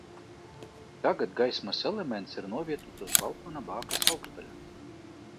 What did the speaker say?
Tagad gaismas elements ir novietots uz balkona bākas augšdaļā.